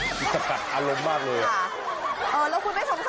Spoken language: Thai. แล้วคุณไม่สงสารหมาเหรอคะมันเหนื่อยจะเย็น